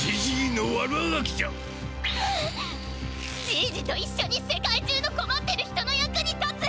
じいじといっしょに世界中のこまってる人の役に立つ！